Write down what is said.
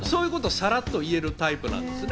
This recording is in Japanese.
サラっと言えるタイプなんですね。